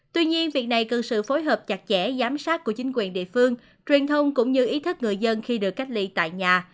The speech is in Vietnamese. tuy nhiên việc này cần sự phối hợp chặt chẽ giám sát của chính quyền địa phương truyền thông cũng như ý thức người dân khi được cách ly tại nhà